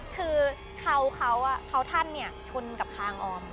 คือเขาเขาเขาท่านชนกับทางออม